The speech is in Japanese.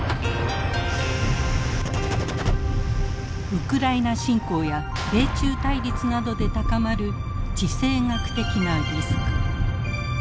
ウクライナ侵攻や米中対立などで高まる地政学的なリスク。